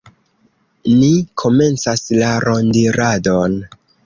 Ni komencas la rondiradon.